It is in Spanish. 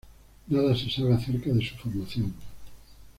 Nada se sabe acerca de su formación.